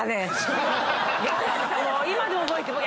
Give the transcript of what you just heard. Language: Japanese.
今でも覚えてる。